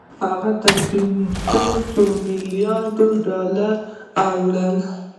هغه تر پنځوس مليارده ډالرو اوړي